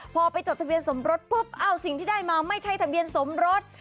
พอไปจดทะเบียนสมรสปุ๊บเอาสิ่งที่ได้มาไม่ใช่ทะเบียนสมรส